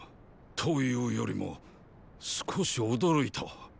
と言うよりも少し驚いた。